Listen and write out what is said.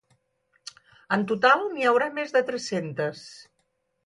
En total, n’hi haurà més de tres-centes.